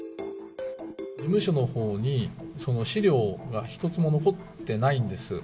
事務所のほうに資料が一つも残ってないんです。